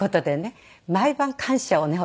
毎晩感謝をね